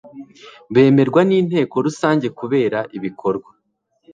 bemerwa n inteko Rusange kubera ibikorwa